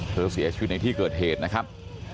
เสียชีวิตในที่เกิดเหตุนะครับ